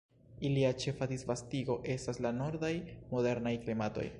Ilia ĉefa disvastigo estas la nordaj moderaj klimatoj.